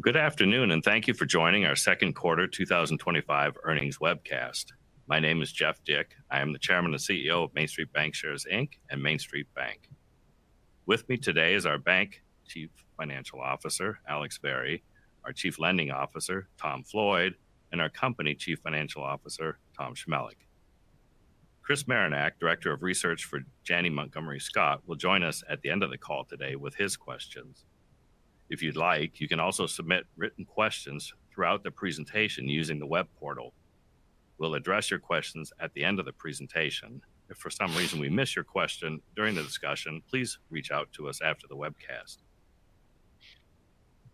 Good afternoon and thank you for joining our second quarter 2025 earnings webcast. My name is Jeff Dick. I am the Chairman and CEO of MainStreet Bancshares, Inc. and MainStreet Bank. With me today is our Bank Chief Financial Officer, Alex Vari, our Chief Lending Officer, Tom Floyd, and our Company Chief Financial Officer, Tom Chmelik. Chris Marinac, Director of Research for Janney Montgomery Scott, will join us at the end of the call today with his questions. If you'd like, you can also submit written questions throughout the presentation using the web portal. We'll address your questions at the end of the presentation. If for some reason we miss your question during the discussion, please reach out to us after the webcast.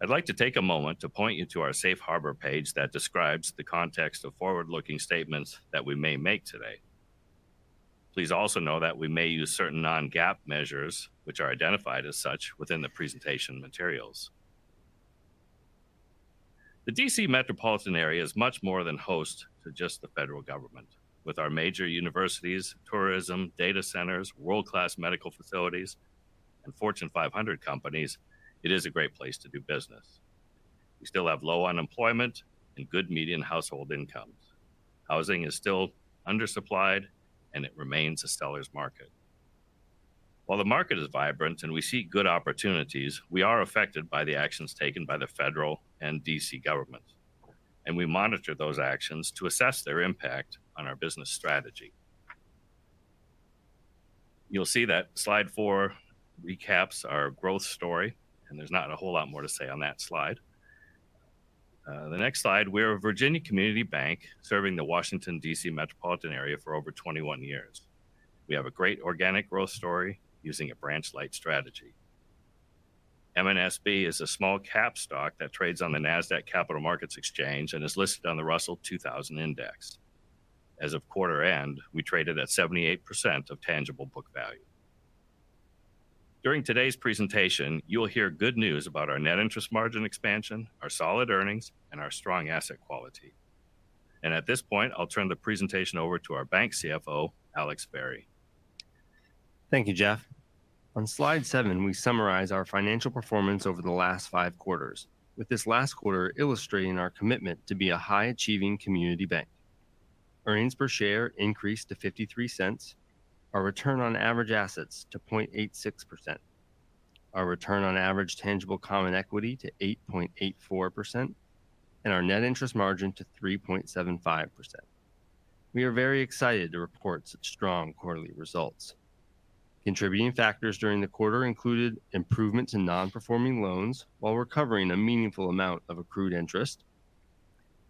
I'd like to take a moment to point you to our Safe Harbor page that describes the context of forward-looking statements that we may make today. Please also know that we may use certain non-GAAP measures, which are identified as such, within the presentation materials. The Washington, D.C. metropolitan area is much more than host to just the federal government. With our major universities, tourism, data centers, world-class medical facilities, and Fortune 500 companies, it is a great place to do business. We still have low unemployment and good median household income. Housing is still undersupplied, and it remains a seller's market. While the market is vibrant and we see good opportunities, we are affected by the actions taken by the federal and D.C. government. We monitor those actions to assess their impact on our business strategy. You'll see that slide four recaps our growth story, and there's not a whole lot more to say on that slide. The next slide, we're a Virginia community bank serving the Washington, D.C. metropolitan area for over 21 years. We have a great organic growth story using a branch-like strategy. MNSB is a small cap stock that trades on the Nasdaq Capital Market exchange and is listed on the Russell 2000 Index. As of quarter end, we traded at 78% of tangible book value. During today's presentation, you'll hear good news about our net interest margin expansion, our solid earnings, and our strong asset quality. At this point, I'll turn the presentation over to our Bank CFO, Alex Vari. Thank you, Jeff. On slide seven, we summarize our financial performance over the last five quarters, with this last quarter illustrating our commitment to be a high-achieving community bank. Earnings per share increased to $0.53, our return on average assets to 0.86%, our return on average tangible common equity to 8.84%, and our net interest margin to 3.75%. We are very excited to report such strong quarterly results. Contributing factors during the quarter included improvement to non-performing loans while recovering a meaningful amount of accrued interest,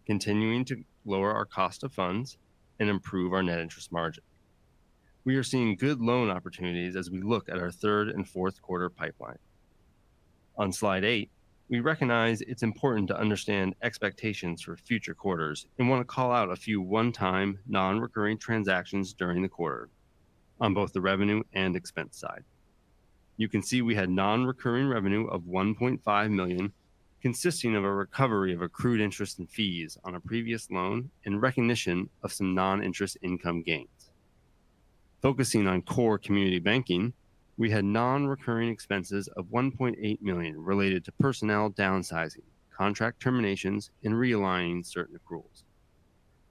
continuing to lower our cost of funds, and improve our net interest margin. We are seeing good loan opportunities as we look at our third and fourth quarter pipeline. On slide eight, we recognize it's important to understand expectations for future quarters and want to call out a few one-time non-recurring transactions during the quarter on both the revenue and expense side. You can see we had non-recurring revenue of $1.5 million, consisting of a recovery of accrued interest and fees on a previous loan and recognition of some non-interest income gains. Focusing on core community banking, we had non-recurring expenses of $1.8 million related to personnel downsizing, contract terminations, and realigning certain accruals.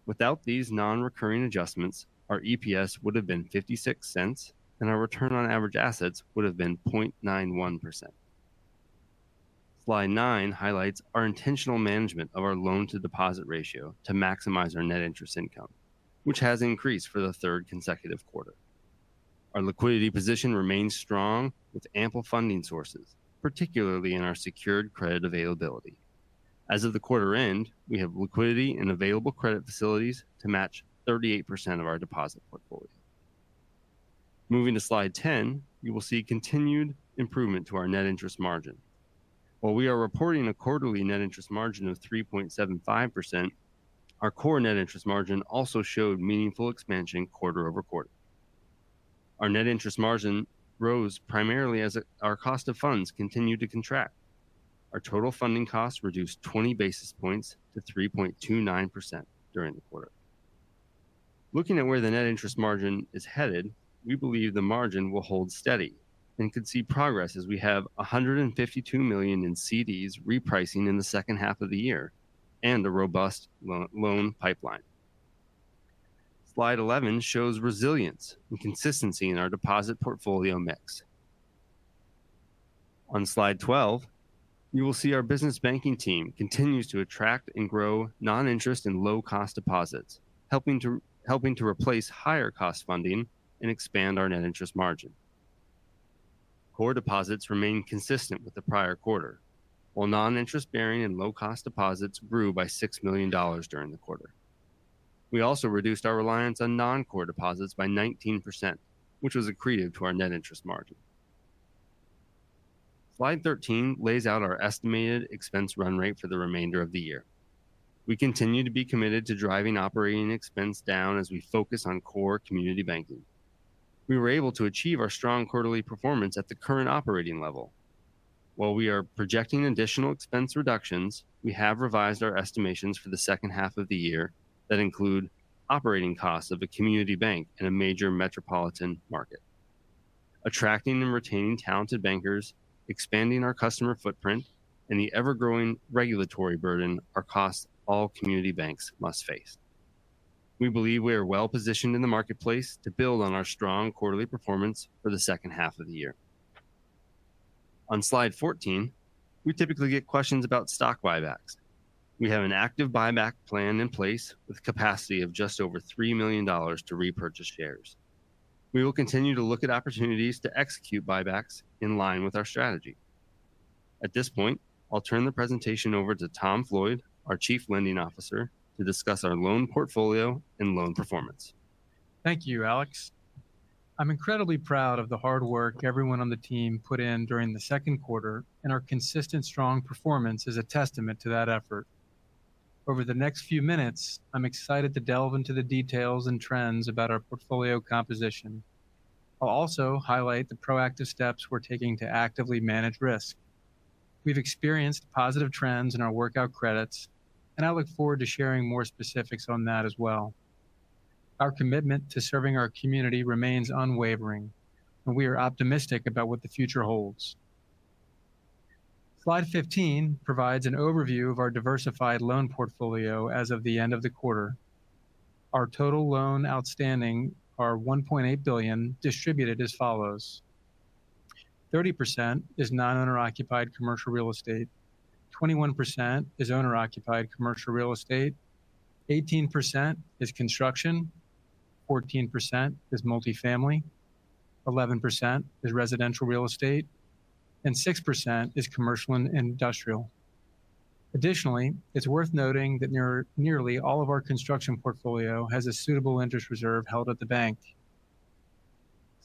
Without these non-recurring adjustments, our EPS would have been $0.56, and our return on average assets would have been 0.91%. Slide nine highlights our intentional management of our loan-to-deposit ratio to maximize our net interest income, which has increased for the third consecutive quarter. Our liquidity position remains strong with ample funding sources, particularly in our secured credit availability. As of the quarter end, we have liquidity and available credit facilities to match 38% of our deposit portfolio. Moving to slide 10, you will see continued improvement to our net interest margin. While we are reporting a quarterly net interest margin of 3.75%, our core net interest margin also showed meaningful expansion quarter-over-quarter. Our net interest margin rose primarily as our cost of funds continued to contract. Our total funding cost reduced 20 basis points to 3.29% during the quarter. Looking at where the net interest margin is headed, we believe the margin will hold steady and could see progress as we have $152 million in certificates of deposit repricing in the second half of the year and a robust loan pipeline. Slide 11 shows resilience and consistency in our deposit portfolio mix. On slide 12, you will see our business banking team continues to attract and grow non-interest and low-cost deposits, helping to replace higher-cost funding and expand our net interest margin. Core deposits remain consistent with the prior quarter, while non-interest-bearing and low-cost deposits grew by $6 million during the quarter. We also reduced our reliance on non-core deposits by 19%, which was accreted to our net interest margin. Slide 13 lays out our estimated expense run rate for the remainder of the year. We continue to be committed to driving operating expense down as we focus on core community banking. We were able to achieve our strong quarterly performance at the current operating level. While we are projecting additional expense reductions, we have revised our estimations for the second half of the year that include operating costs of a community bank in a major metropolitan market. Attracting and retaining talented bankers, expanding our customer footprint, and the ever-growing regulatory burden are costs all community banks must face. We believe we are well positioned in the marketplace to build on our strong quarterly performance for the second half of the year. On slide 14, we typically get questions about stock buybacks. We have an active buyback plan in place with a capacity of just over $3 million to repurchase shares. We will continue to look at opportunities to execute buybacks in line with our strategy. At this point, I'll turn the presentation over to Tom Floyd, our Chief Lending Officer, to discuss our loan portfolio and loan performance. Thank you, Alex. I'm incredibly proud of the hard work everyone on the team put in during the second quarter, and our consistent strong performance is a testament to that effort. Over the next few minutes, I'm excited to delve into the details and trends about our portfolio composition. I'll also highlight the proactive steps we're taking to actively manage risk. We've experienced positive trends in our workout credits, and I look forward to sharing more specifics on that as well. Our commitment to serving our community remains unwavering, and we are optimistic about what the future holds. Slide 15 provides an overview of our diversified loan portfolio as of the end of the quarter. Our total loan outstanding is $1.8 billion, distributed as follows: 30% is non-owner occupied commercial real estate, 21% is owner occupied commercial real estate, 18% is construction, 14% is multifamily, 11% is residential real estate, and 6% is commercial and industrial. Additionally, it's worth noting that nearly all of our construction portfolio has a suitable interest reserve held at the bank.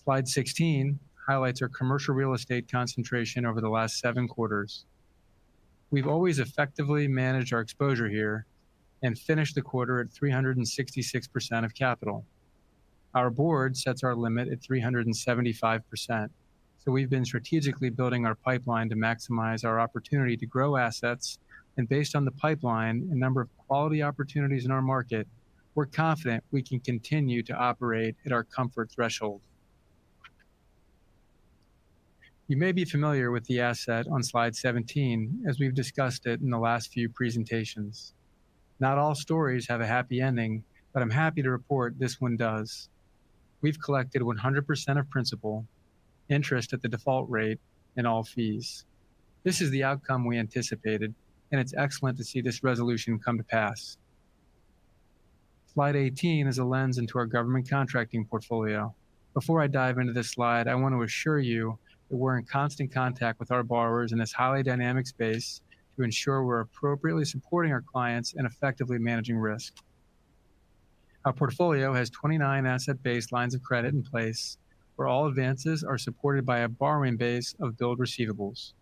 Slide 16 highlights our commercial real estate concentration over the last seven quarters. We've always effectively managed our exposure here and finished the quarter at 366% of capital. Our board sets our limit at 375%, so we've been strategically building our pipeline to maximize our opportunity to grow assets. Based on the pipeline and the number of quality opportunities in our market, we're confident we can continue to operate at our comfort threshold. You may be familiar with the asset on slide 17 as we've discussed it in the last few presentations. Not all stories have a happy ending, but I'm happy to report this one does. We've collected 100% of principal, interest at the default rate, and all fees. This is the outcome we anticipated, and it's excellent to see this resolution come to pass. Slide 18 is a lens into our government contracting portfolio. Before I dive into this slide, I want to assure you that we're in constant contact with our borrowers in this highly dynamic space to ensure we're appropriately supporting our clients and effectively managing risk. Our portfolio has 29 asset-based lines of credit in place, where all advances are supported by a borrowing base of billed receivables.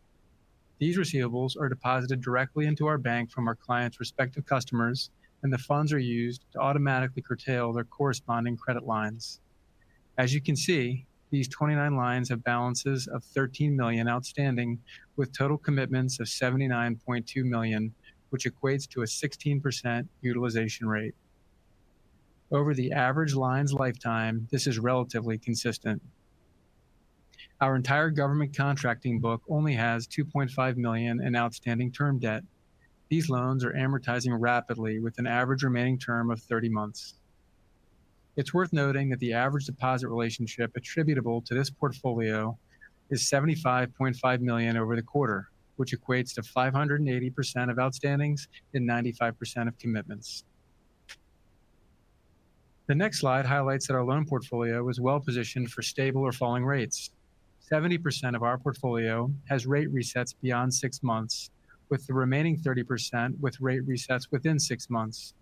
These receivables are deposited directly into our bank from our clients' respective customers, and the funds are used to automatically curtail their corresponding credit lines. As you can see, these 29 lines have balances of $13 million outstanding, with total commitments of $79.2 million, which equates to a 16% utilization rate. Over the average line's lifetime, this is relatively consistent. Our entire government contracting book only has $2.5 million in outstanding term debt. These loans are amortizing rapidly with an average remaining term of 30 months. It's worth noting that the average deposit relationship attributable to this portfolio is $75.5 million over the quarter, which equates to 580% of outstandings and 95% of commitments. The next slide highlights that our loan portfolio is well positioned for stable or falling rates. 70% of our portfolio has rate resets beyond six months, with the remaining 30% with rate resets within six months.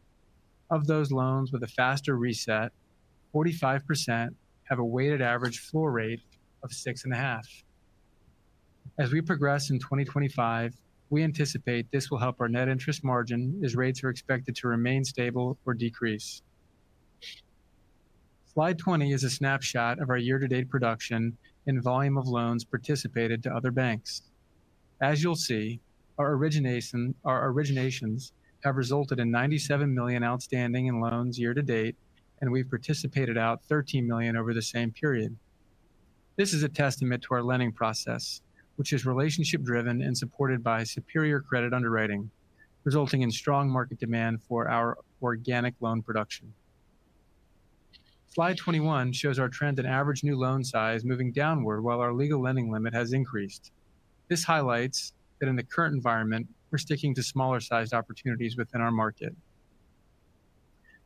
Of those loans with a faster reset, 45% have a weighted average floor rate of 6.5%. As we progress in 2025, we anticipate this will help our net interest margin as rates are expected to remain stable or decrease. Slide 20 is a snapshot of our year-to-date production and volume of loans participated to other banks. As you'll see, our originations have resulted in $97 million outstanding in loans year to date, and we participated out $13 million over the same period. This is a testament to our lending process, which is relationship-driven and supported by superior credit underwriting, resulting in strong market demand for our organic loan production. Slide 21 shows our trend in average new loan size moving downward while our legal lending limit has increased. This highlights that in the current environment, we're sticking to smaller-sized opportunities within our market.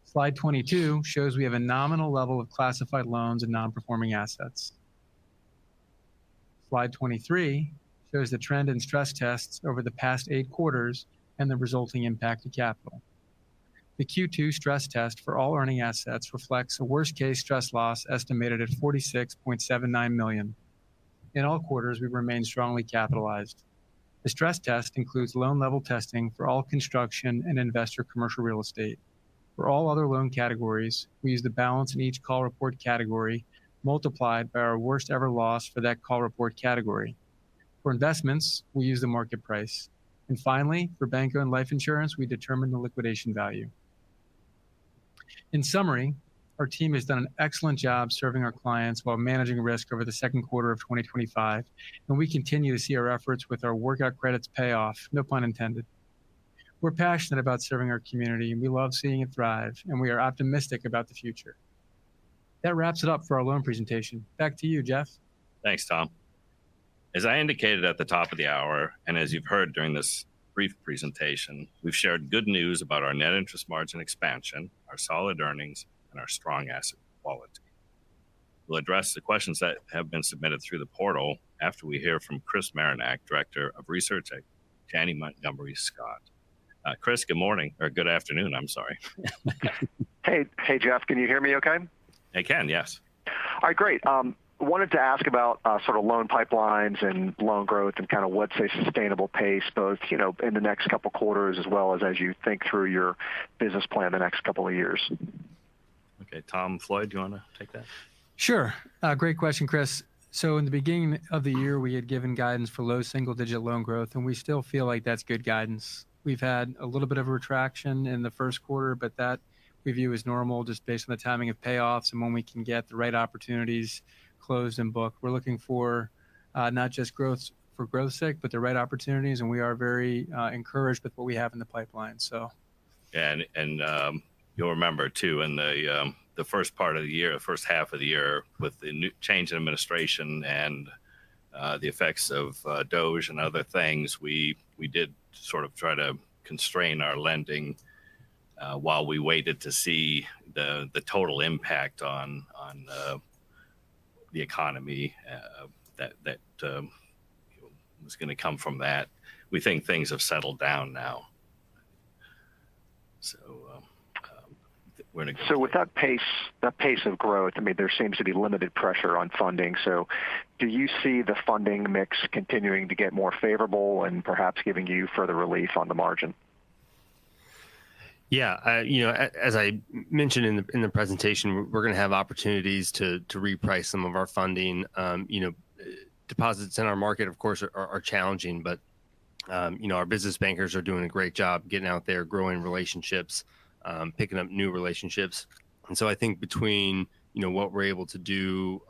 Slide 22 shows we have a nominal level of classified loans and non-performing assets. Slide 23 shows the trend in stress tests over the past eight quarters and the resulting impact to capital. The Q2 stress test for all earning assets reflects a worst-case stress loss estimated at $46.79 million. In all quarters, we've remained strongly capitalized. The stress test includes loan level testing for all construction and investor commercial real estate. For all other loan categories, we use the balance in each call report category multiplied by our worst-ever loss for that call report category. For investments, we use the market price. Finally, for banco and life insurance, we determine the liquidation value. In summary, our team has done an excellent job serving our clients while managing risk over the second quarter of 2025, and we continue to see our efforts with our workout credits pay off, no pun intended. We're passionate about serving our community, and we love seeing it thrive, and we are optimistic about the future. That wraps it up for our loan presentation. Back to you, Jeff. Thanks, Tom. As I indicated at the top of the hour, and as you've heard during this brief presentation, we've shared good news about our net interest margin expansion, our solid earnings, and our strong asset quality. We'll address the questions that have been submitted through the portal after we hear from Chris Marinac, Director of Research at Janney Montgomery Scott. Chris, good morning, or good afternoon, I'm sorry. Hey Jeff, can you hear me okay? I can, yes. All right, great. I wanted to ask about sort of loan pipelines and loan growth and kind of what's a sustainable pace both in the next couple of quarters as well as as you think through your business plan the next couple of years. Okay, Tom Floyd, do you want to take that? Great question, Chris. In the beginning of the year, we had given guidance for low single-digit loan growth, and we still feel like that's good guidance. We've had a little bit of a retraction in the first quarter, which we view as normal just based on the timing of payoffs and when we can get the right opportunities closed and booked. We're looking for not just growth for growth's sake, but the right opportunities, and we are very encouraged with what we have in the pipeline. Yeah, you'll remember too, in the first part of the year, the first half of the year, with the new change in administration and the effects of DOJ and other things, we did try to constrain our lending while we waited to see the total impact on the economy that was going to come from that. We think things have settled down now. With that pace and growth, I mean, there seems to be limited pressure on funding. Do you see the funding mix continuing to get more favorable and perhaps giving you further relief on the margin? Yeah, as I mentioned in the presentation, we're going to have opportunities to reprice some of our funding. Deposits in our market, of course, are challenging, but our business bankers are doing a great job getting out there, growing relationships, picking up new relationships. I think between what we're able to do,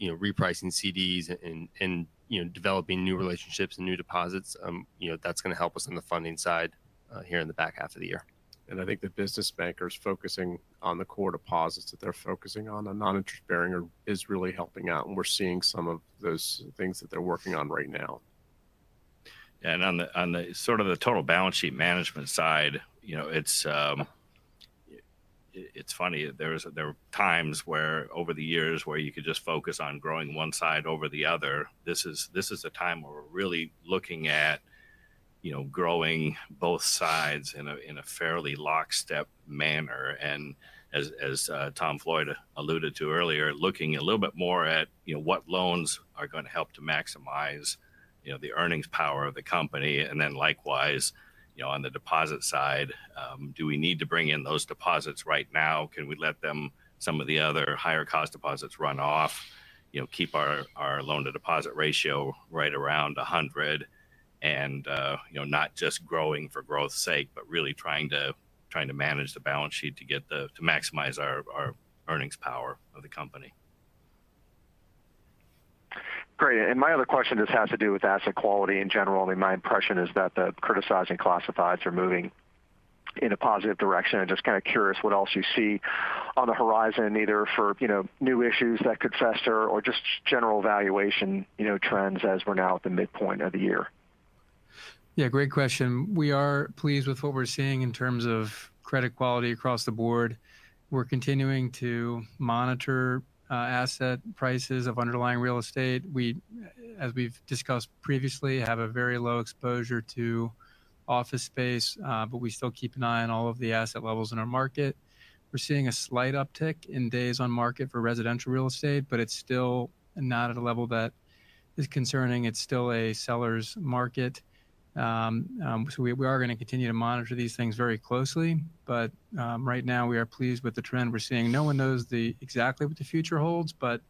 repricing certificates of deposit and developing new relationships and new deposits, that's going to help us on the funding side here in the back half of the year. I think the business bankers focusing on the core deposits that they're focusing on, the non-interest bearing, is really helping out. We're seeing some of those things that they're working on right now. Yeah, on the total balance sheet management side, it's funny, there are times over the years where you could just focus on growing one side over the other. This is a time where we're really looking at growing both sides in a fairly lockstep manner. As Tom Floyd alluded to earlier, looking a little bit more at what loans are going to help to maximize the earnings power of the company. Likewise, on the deposit side, do we need to bring in those deposits right now? Can we let some of the other higher cost deposits run off, keep our loan-to-deposit ratio right around 100%, and not just growing for growth's sake, but really trying to manage the balance sheet to maximize our earnings power of the company. Great. My other question just has to do with asset quality in general. My impression is that the criticizing classifieds are moving in a positive direction. I'm just kind of curious what else you see on the horizon, either for new issues that could fester or just general valuation trends as we're now at the midpoint of the year. Yeah, great question. We are pleased with what we're seeing in terms of credit quality across the board. We're continuing to monitor asset prices of underlying real estate. As we've discussed previously, we have a very low exposure to office space, but we still keep an eye on all of the asset levels in our market. We're seeing a slight uptick in days on market for residential real estate, but it's still not at a level that is concerning. It's still a seller's market. We are going to continue to monitor these things very closely, but right now we are pleased with the trend we're seeing. No one knows exactly what the future holds, but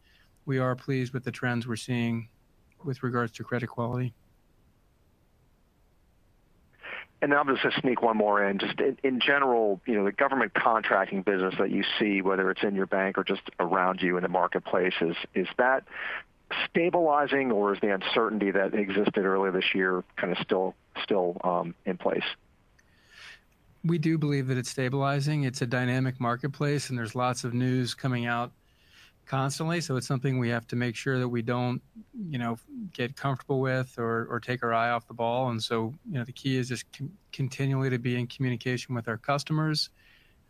we are pleased with the trends we're seeing with regards to credit quality. I'm just going to sneak one more in. Just in general, you know, the government contracting business that you see, whether it's in your bank or just around you in the marketplace, is that stabilizing or is the uncertainty that existed earlier this year kind of still in place? We do believe that it's stabilizing. It's a dynamic marketplace, and there's lots of news coming out constantly. It's something we have to make sure that we don't get comfortable with or take our eye off the ball. The key is just continually to be in communication with our customers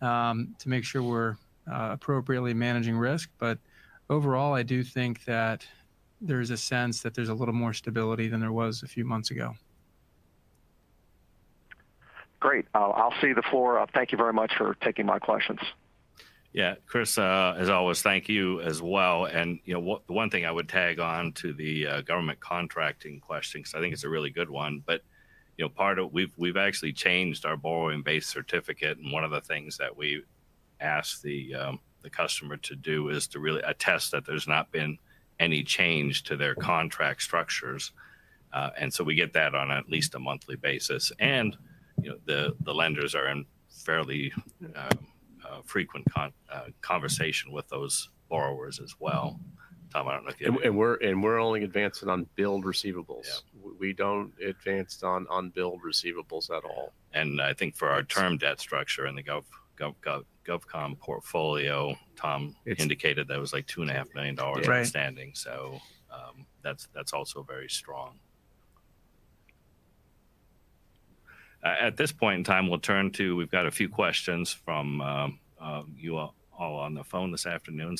to make sure we're appropriately managing risk. Overall, I do think that there's a sense that there's a little more stability than there was a few months ago. Great. I'll cede the floor. Thank you very much for taking my questions. Yeah, Chris, as always, thank you as well. The one thing I would tag on to the government contracting question, because I think it's a really good one, is we've actually changed our borrowing base certificate. One of the things that we ask the customer to do is to really attest that there's not been any change to their contract structures. We get that on at least a monthly basis. The lenders are in fairly frequent conversation with those borrowers as well. Tom, I don't know if you have. We're only advancing on billed receivables. We don't advance on unbilled receivables at all. I think for our term debt structure in the GovCom Portfolio, Tom indicated that it was like $2.5 million outstanding. That's also very strong. At this point in time, we'll turn to a few questions from you all on the phone this afternoon.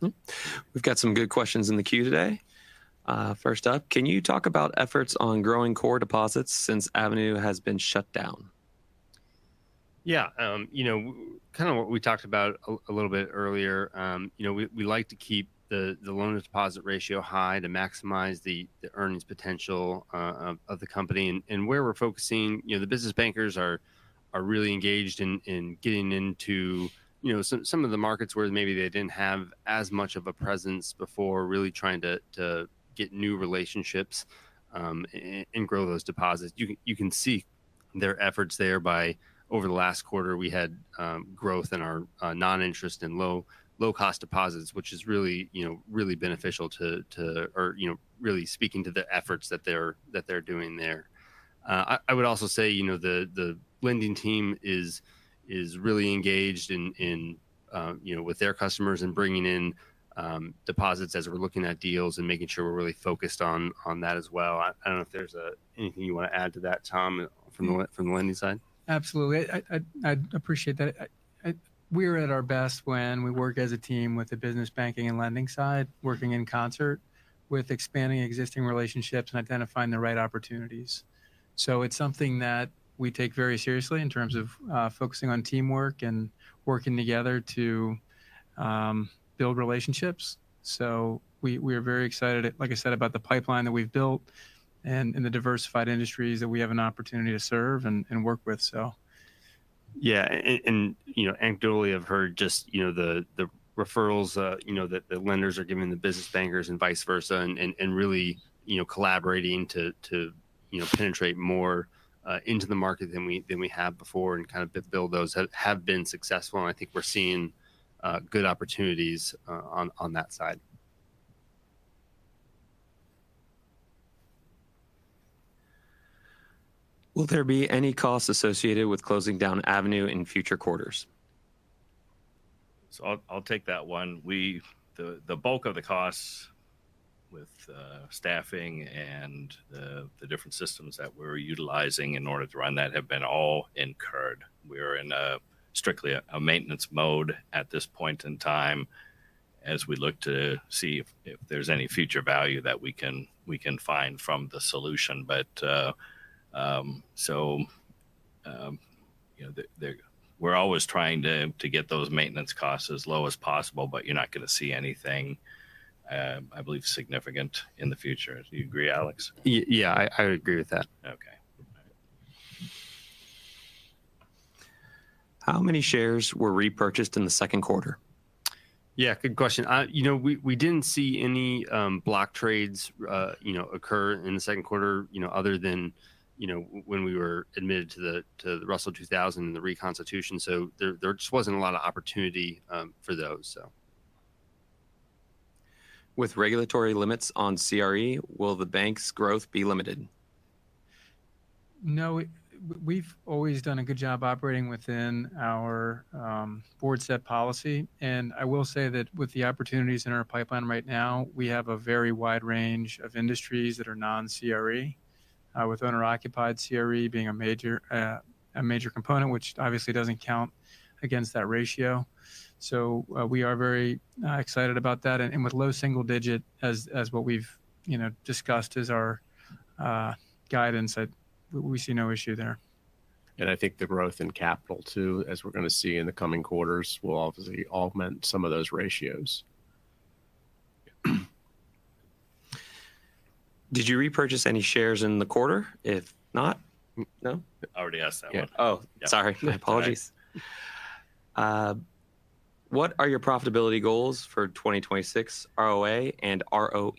We've got some good questions in the queue today. First up, can you talk about efforts on growing core deposits since Avenue has been shut down? Yeah, you know, kind of what we talked about a little bit earlier. We like to keep the loan-to-deposit ratio high to maximize the earnings potential of the company. Where we're focusing, the business bankers are really engaged in getting into some of the markets where maybe they didn't have as much of a presence before, really trying to get new relationships and grow those deposits. You can see their efforts there by over the last quarter, we had growth in our non-interest and low-cost deposits, which is really beneficial to, or really speaking to the efforts that they're doing there. I would also say the lending team is really engaged with their customers and bringing in deposits as we're looking at deals and making sure we're really focused on that as well. I don't know if there's anything you want to add to that, Tom, from the lending side. Absolutely. I appreciate that. We are at our best when we work as a team with the business banking and lending side, working in concert with expanding existing relationships and identifying the right opportunities. It is something that we take very seriously in terms of focusing on teamwork and working together to build relationships. We are very excited, like I said, about the pipeline that we've built and the diversified industries that we have an opportunity to serve and work with. Yeah, you know, anecdotally, I've heard just the referrals that the lenders are giving the business bankers and vice versa, and really collaborating to penetrate more into the market than we have before and kind of build those have been successful. I think we're seeing good opportunities on that side. Will there be any costs associated with closing down Avenue in future quarters? I'll take that one. The bulk of the costs with staffing and the different systems that we're utilizing in order to run that have been all incurred. We're in strictly a maintenance mode at this point in time as we look to see if there's any future value that we can find from the solution. We're always trying to get those maintenance costs as low as possible, but you're not going to see anything, I believe, significant in the future. Do you agree, Alex? Yeah, I agree with that. Okay. How many shares were repurchased in the second quarter? Yeah, good question. We didn't see any block trades occur in the second quarter, other than when we were admitted to the Russell 2000 and the reconstitution. There just wasn't a lot of opportunity for those. With regulatory limits on commercial real estate, will the bank's growth be limited? No, we've always done a good job operating within our board-set policy. I will say that with the opportunities in our pipeline right now, we have a very wide range of industries that are non-CRE, with owner-occupied CRE being a major component, which obviously doesn't count against that ratio. We are very excited about that. With low single digit, as what we've discussed is our guidance, we see no issue there. I think the growth in capital too, as we're going to see in the coming quarters, will obviously augment some of those ratios. Did you repurchase any shares in the quarter? If not? No, I already asked that one. Oh, sorry. My apologies. What are your profitability goals for 2026? ROA and ROE?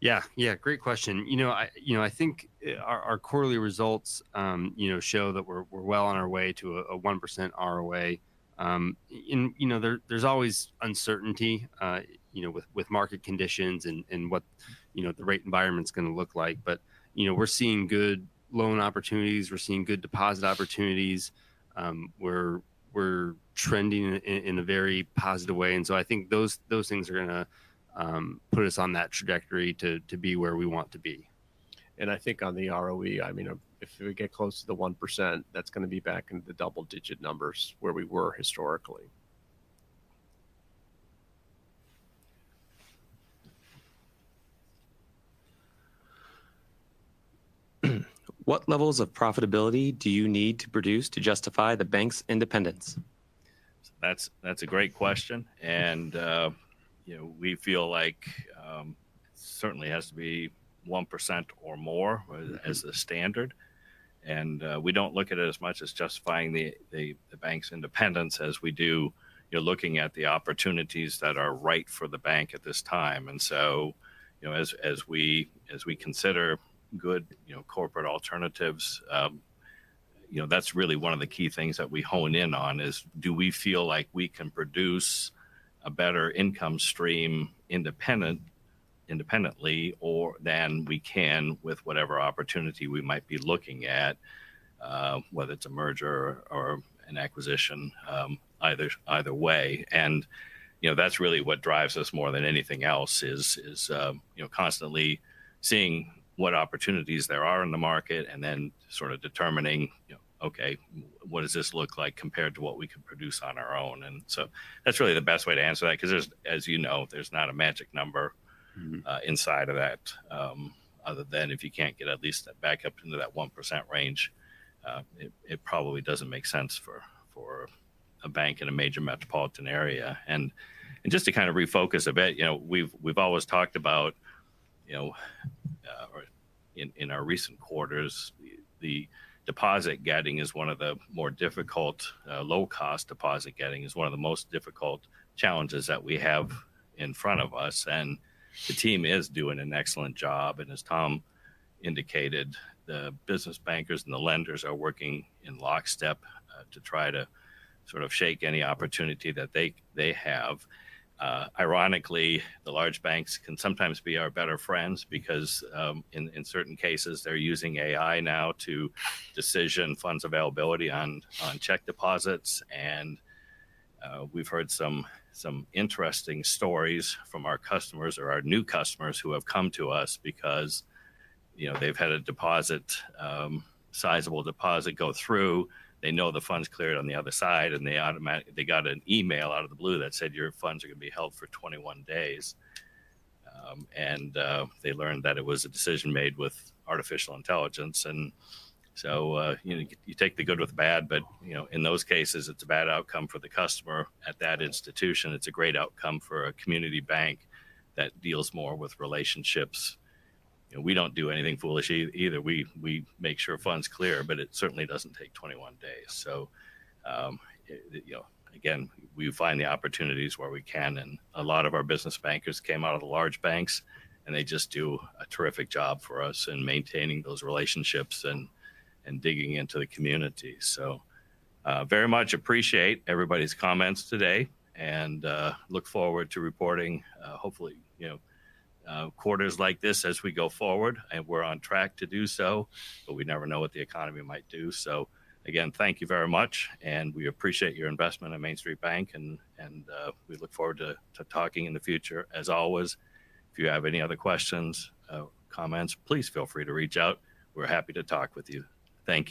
Yeah. Great question. I think our quarterly results show that we're well on our way to a 1% ROA. There's always uncertainty with market conditions and what the rate environment is going to look like. We're seeing good loan opportunities. We're seeing good deposit opportunities. We're trending in a very positive way. I think those things are going to put us on that trajectory to be where we want to be.I think on the return on equity, if we get close to the 1%, that's going to be back into the double-digit numbers where we were historically. What levels of profitability do you need to produce to justify the bank's independence? That's a great question. You know, we feel like it certainly has to be 1% or more as the standard. We don't look at it as much as justifying the bank's independence as we do looking at the opportunities that are right for the bank at this time. As we consider good corporate alternatives, that's really one of the key things that we hone in on: do we feel like we can produce a better income stream independently than we can with whatever opportunity we might be looking at, whether it's a merger or an acquisition, either way. That's really what drives us more than anything else, constantly seeing what opportunities there are in the market and then sort of determining, okay, what does this look like compared to what we could produce on our own? That's really the best way to answer that because, as you know, there's not a magic number inside of that other than if you can't get at least back up into that 1% range, it probably doesn't make sense for a bank in a major metropolitan area. Just to kind of refocus a bit, we've always talked about, in our recent quarters, the deposit getting is one of the more difficult, low-cost deposit getting is one of the most difficult challenges that we have in front of us. The team is doing an excellent job. As Tom indicated, the business bankers and the lenders are working in lockstep to try to sort of shake any opportunity that they have. Ironically, the large banks can sometimes be our better friends because in certain cases, they're using AI now to decision funds availability on check deposits. We've heard some interesting stories from our customers or our new customers who have come to us because they've had a deposit, sizable deposit go through. They know the funds cleared on the other side, and they automatically got an email out of the blue that said your funds are going to be held for 21 days. They learned that it was a decision made with artificial intelligence. You take the good with the bad, but in those cases, it's a bad outcome for the customer at that institution. It's a great outcome for a community bank that deals more with relationships. We don't do anything foolish either. We make sure funds clear, but it certainly doesn't take 21 days. Again, we find the opportunities where we can. A lot of our business bankers came out of the large banks, and they just do a terrific job for us in maintaining those relationships and digging into the community. I very much appreciate everybody's comments today and look forward to reporting, hopefully, you know, quarters like this as we go forward. We're on track to do so, but we never know what the economy might do. Thank you very much, and we appreciate your investment in MainStreet Bank, and we look forward to talking in the future. As always, if you have any other questions or comments, please feel free to reach out. We're happy to talk with you. Thank you.